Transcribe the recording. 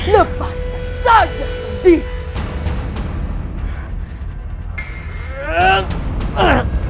lepaskan saja sendiri